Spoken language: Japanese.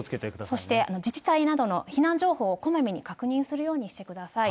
そして自治体などの避難情報をこまめに確認するようにしてください。